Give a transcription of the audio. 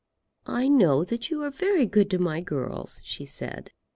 "I know that you are very good to my girls," she said.